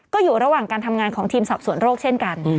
ก็อยู่ระหว่างการทำงานของทีมสอบสวนโรคเช่นกัน